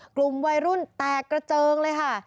กลุ่มวัยรุ่นแตกกระเจิงเลยค่ะ